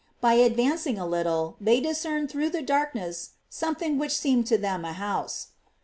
But advancing a little, they dis cerned through the darkness something which t O O seemed to them a house.